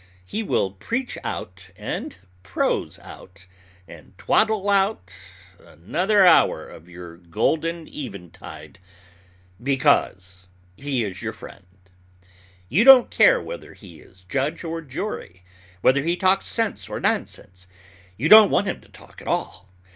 he will preach out, and prose out, and twaddle out another hour of your golden eventide, "because he is your friend." You don't care whether he is judge or jury, whether he talks sense or nonsense; you don't want him to talk at all.